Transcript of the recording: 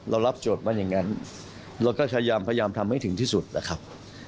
เรารับโจทย์ว่าอย่างนั้นเราก็พยายามทำให้ถึงที่สุดนะครับ